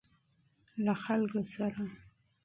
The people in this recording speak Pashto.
له خلکو سره.